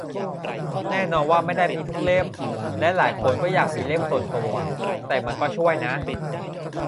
แน่นอนว่าไม่ได้มีทุกเล่ม และหลายคนก็อยากมีเล่มส่วนตัว แต่มันก็ช่วยนะ